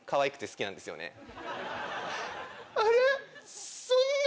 あれ？